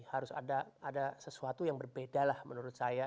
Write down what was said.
harus ada sesuatu yang berbeda lah menurut saya